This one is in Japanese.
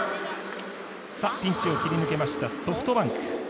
ピンチを切り抜けましたソフトバンク。